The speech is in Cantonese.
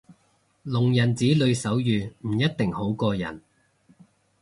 聾人子女手語唔一定好過人